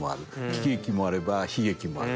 喜劇もあれば悲劇もある。